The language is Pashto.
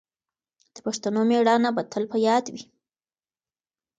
د پښتنو مېړانه به تل په یاد وي.